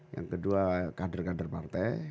yang kedua kader kader partai